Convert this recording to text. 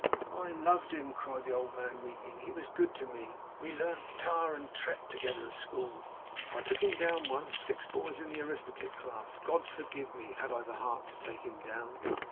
'I loved him,' cried the old man, weeping. 'He was good to me. We learnt Tare and Tret together at school. I took him down once, six boys in the arithmetic class. God forgive me! Had I the heart to take him down!